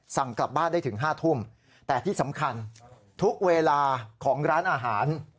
สั่งกลับบ้านได้ถึง๕ทุ่มแต่ที่สำคัญทุกเวลาของร้านอาหาร